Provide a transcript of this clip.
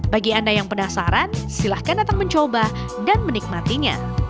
bagi anda yang penasaran silahkan datang mencoba dan menikmatinya